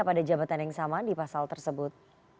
pada jabatan yang sama di pasal tersebut